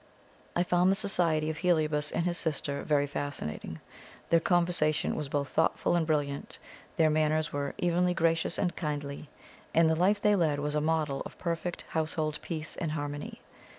I found the society of Heliobas and his sister very fascinating. Their conversation was both thoughtful and brilliant, their manners were evenly gracious and kindly, and the life they led was a model of perfect household peace and harmony.